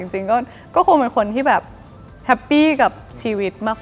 จริงก็คงเป็นคนที่แบบแฮปปี้กับชีวิตมาก